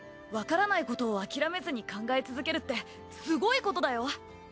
わからないことを諦めずに考え続けるってすごいことだよ